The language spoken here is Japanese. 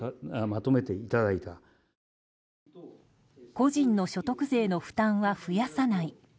個人の所得税の負担は増やさない。